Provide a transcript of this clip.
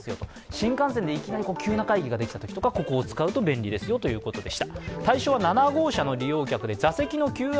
新幹線でいきなり急な会議ができたときとか、ここを使うと便利ですよということです。